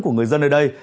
của người dân ở đây